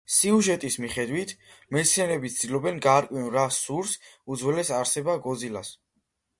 სიუჟეტის მიხედვით, მეცნიერები ცდილობენ, გაარკვიონ რა სურს უძველეს არსება გოძილას.